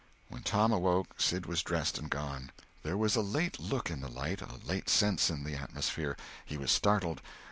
When Tom awoke, Sid was dressed and gone. There was a late look in the light, a late sense in the atmosphere. He was startled.